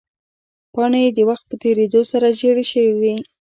پاڼې یې د وخت په تېرېدو سره زیړې شوې وې.